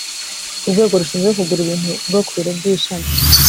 urwego rushinzwe kugura ibintu rwo ku biro by ishami